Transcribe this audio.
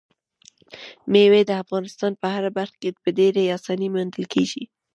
مېوې د افغانستان په هره برخه کې په ډېرې اسانۍ موندل کېږي.